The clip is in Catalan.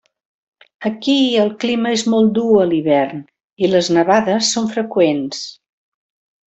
Aquí el clima és molt dur a l'hivern i les nevades són freqüents.